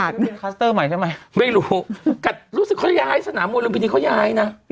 ใช่ลามอินทา